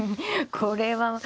これは。